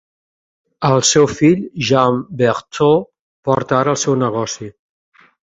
El seu fill, Jean Berthaut, porta ara el seu negoci.